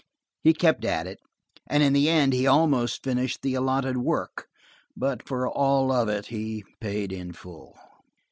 He kept at it, and in the end he almost finished the allotted work, but for all of it he paid in full.